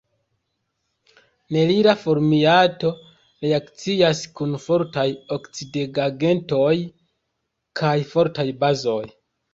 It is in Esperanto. Nerila formiato reakcias kun fortaj oksidigagentoj kaj fortaj bazoj.